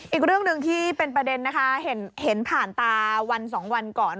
อีกเรื่องหนึ่งที่เป็นประเด็นนะคะเห็นผ่านตาวันสองวันก่อน